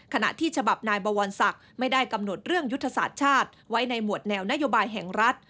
ขณะที่ฉบับนายบวรศักดิ์ไม่ได้กำหนดเรื่องยุทธศาสตร์ชาติไว้ในหมวดแนวนโยบายแห่งรัฐ